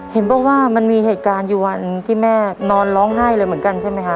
เห็นบอกว่ามันมีเหตุการณ์อยู่วันที่แม่นอนร้องไห้เลยเหมือนกันใช่ไหมคะ